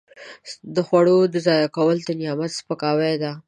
د خوړو ضایع کول د نعمت سپکاوی دی.